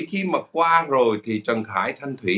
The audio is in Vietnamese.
khi mà qua rồi thì trần khải thanh thủy